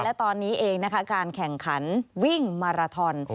และตอนนี้เองนะคะการแข่งขันวิ่งมาราทอน